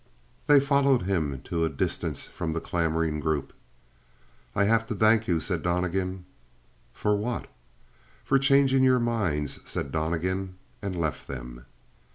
They followed him to a distance from the clamoring group. "I have to thank you," said Donnegan. "For what?" "For changing your minds," said Donnegan, and left them.